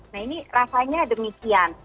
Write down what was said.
nah ini rasanya demikian